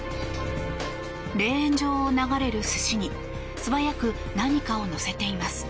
レーン上を流れる寿司に素早く何かをのせています。